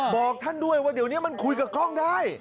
บอกท่านด้วยว่าเดี๋ยวนี้มันคุยกับกล้องได้